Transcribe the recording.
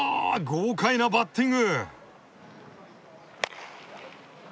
豪快なバッティング！